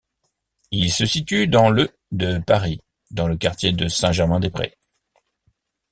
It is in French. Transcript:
Il se situe dans le de Paris dans le quartier de Saint-Germain-des-Prés.